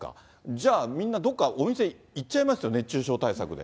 じゃあ、みんな、どっか、お店、行っちゃいますよ、熱中症対策で。